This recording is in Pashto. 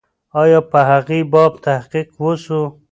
آیا په هغې باب تحقیق و سو؟